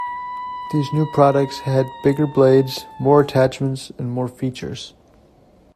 These new products had bigger blades, more attachments, and more features.